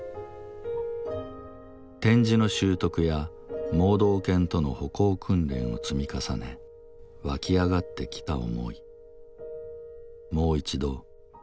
点字の習得や盲導犬との歩行訓練を積み重ね湧き上がってきた思い。